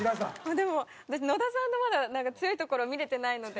でも私野田さんのまだ強いところを見れてないので。